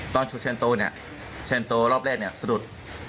ตอนชุดเชนโตเชนโตรอบแรกสะดด